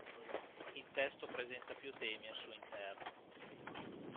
Il testo presenta più temi al suo interno.